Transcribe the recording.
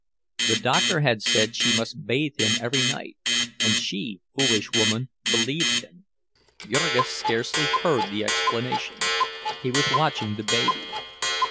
The doctor had said she must bathe him every night, and she, foolish woman, believed him. Jurgis scarcely heard the explanation; he was watching the baby.